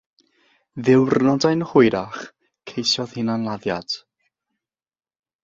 Ddiwrnodau'n hwyrach, ceisiodd hunan-laddiad.